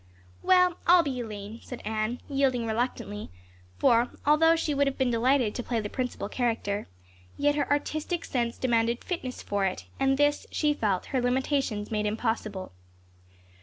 "Well, I'll be Elaine," said Anne, yielding reluctantly, for, although she would have been delighted to play the principal character, yet her artistic sense demanded fitness for it and this, she felt, her limitations made impossible.